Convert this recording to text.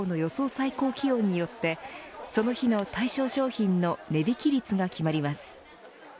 最高気温によってその日の対象商品の値引き率が決まります。